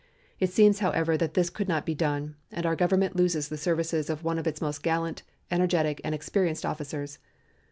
It seems, however, that this could not be done, and our Government loses the services of one of its most gallant, energetic, and experienced officers.